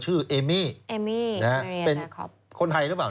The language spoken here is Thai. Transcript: ชื่อเอมี่เป็นคนไทยหรือเปล่า